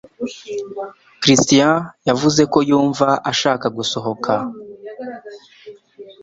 christiana yavuze ko yumva ashaka gusohoka.